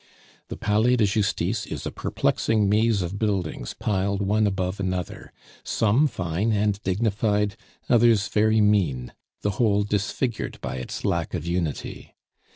The Palais de Justice is a perplexing maze of buildings piled one above another, some fine and dignified, others very mean, the whole disfigured by its lack of unity.